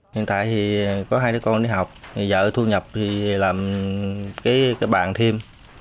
hiện tại thì có hai đứa con đi học vợ thu nhập thì làm cái bàn thêm